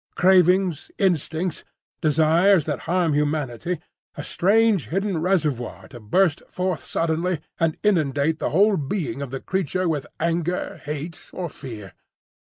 Cravings, instincts, desires that harm humanity, a strange hidden reservoir to burst forth suddenly and inundate the whole being of the creature with anger, hate, or fear.